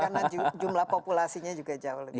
karena jumlah populasinya juga jauh lebih